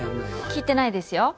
聞いてないですよ。